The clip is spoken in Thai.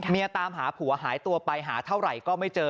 ตามหาผัวหายตัวไปหาเท่าไหร่ก็ไม่เจอ